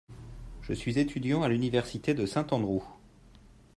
Je suis étudiant à l'université de St. Andrew.